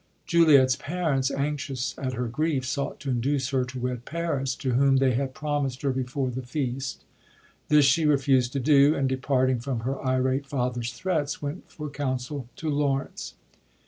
Juliet's parents, anxious at her grief, sought to induce her to wed Paris, to whom they had promist her before the feast. This she refused to do, and departing from her irate father's threats, went for counsel to Laurencb.